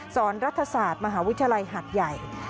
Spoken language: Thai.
รัฐศาสตร์มหาวิทยาลัยหัดใหญ่